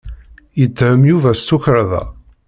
Yetthem Yuba s tukerḍa.